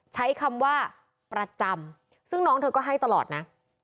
ใช้คำว่าประจำซึ่งน้องเธอก็ให้ตลอดนะ